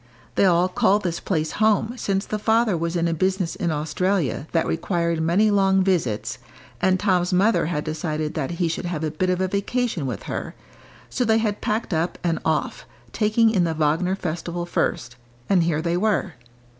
They all called this place home since the father was in a business in Australia that required many long visits, and Tom's mother had decided that he should have a bit of a vacation with her, so they had packed up and off, taking in the Wagner festival first, and here they were.